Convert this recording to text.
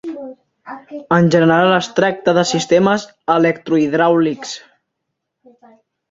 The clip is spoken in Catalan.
En general es tracta de sistemes electrohidràulics.